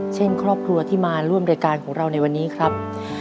เช่นครอบครัวที่มาร่วมรายการของเราในวันนี้ครับ